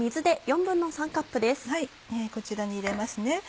こちらに入れますね。